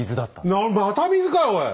なにまた水かいおい！